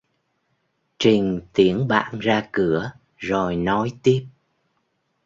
Trình tiễn bạn ra cửa rồi nói tiếp